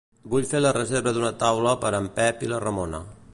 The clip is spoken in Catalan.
Vull fer la reserva d'una taula per a en Pep i la Ramona.